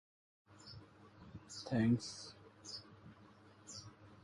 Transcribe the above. This conclusion is confirmed by a more minute examination of the poem.